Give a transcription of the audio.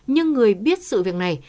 nhưng người biết sự việc này